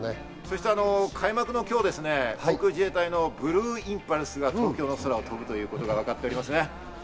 開幕の今日、航空自衛隊のブルーインパルスが東京の空を飛ぶということになりますね。